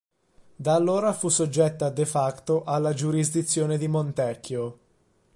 Da allora fu soggetta "de facto" alla giurisdizione di Montecchio.